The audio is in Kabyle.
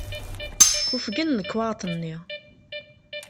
Ufgen lekwaɣeḍ-nni.